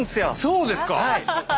そうですか！